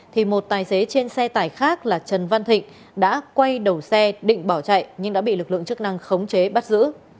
thì một tài xế trên xe tải khác là trần văn thịnh đã quay đầu xe định bỏ chạy nhưng đã bị lực lượng chức năng khống chế bắt giữ